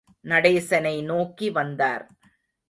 நடேசனை நோக்கி வந்தார்.